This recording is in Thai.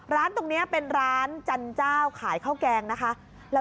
ร้านตรงนี้เป็นร้านจันเจ้าขายข้าวแกงนะคะ